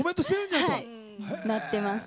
はいなってます。